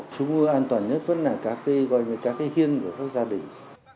chúng an toàn nhất với các cái khiên của các gia đình